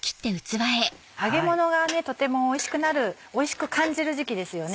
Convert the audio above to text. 揚げものがとてもおいしくなるおいしく感じる時期ですよね。